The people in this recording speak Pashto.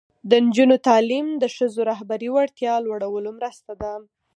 د نجونو تعلیم د ښځو رهبري وړتیا لوړولو مرسته ده.